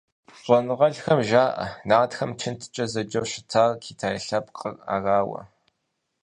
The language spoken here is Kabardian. Щӏэныгъэлӏхэм жаӏэ Нартхэр чынткӏэ зэджэу щытар Китай лъэпкъыр арауэ.